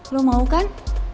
lo mau kan